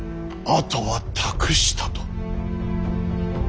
あとは託したと。